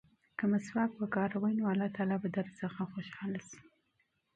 که مسواک وکاروې نو الله تعالی به درڅخه خوشحاله شي.